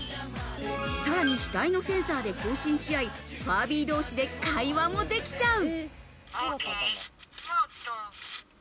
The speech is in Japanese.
さらに額のセンサーで交信しあい、ファービー同士で会話もできちゃう。